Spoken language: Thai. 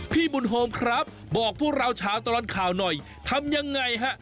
พี่บุญโฮมครับบอกพวกเราชาวตลอดข่าวหน่อยทำยังไงฮะ